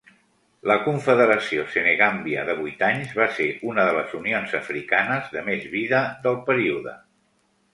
La confederació Senegambia de vuit anys va ser una de les unions africanes de més vida del període.